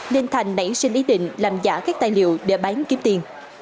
nên thành nảy sinh ý định làm giả các tài liệu để bán kiếm tiền